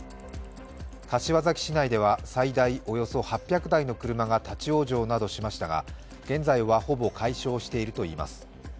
柏崎市内では最大およそ８００台の車が立往生などしましたが現在は、ほぼ解消しているといいます。